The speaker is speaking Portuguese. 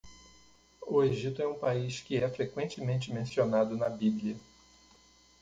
O Egito é um país que é frequentemente mencionado na Bíblia.